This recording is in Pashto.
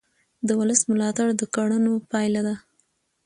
د ولس ملاتړ د کړنو پایله ده